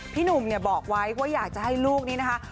พี่หนุ่มเนี่ยบอกไว้ว่าอยากจะให้ลูกนี้นะคะ